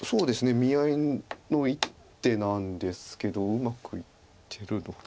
見合いの一手なんですけどうまくいってるのか。